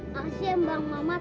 makasih ya bang mamat